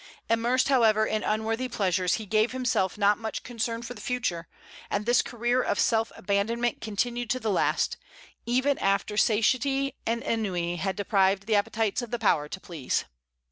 Immersed however in unworthy pleasures, he gave himself not much concern for the future; and this career of self abandonment continued to the last, even after satiety and ennui had deprived the appetites of the power to please.